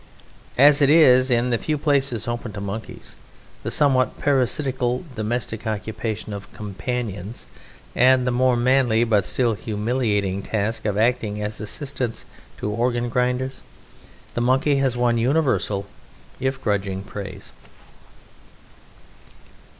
As it is, in the few places open to Monkeys the somewhat parasitical domestic occupation of "companions" and the more manly, but still humiliating, task of acting as assistants to organ grinders, the Monkey has won universal if grudging praise.